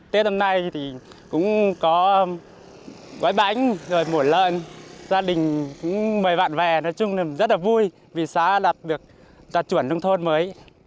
tết hôm nay thì cũng có quái bánh rồi mùa lợn gia đình cũng mời bạn về nói chung là rất là vui vì xã đạt được đạt chuẩn nông thôn mới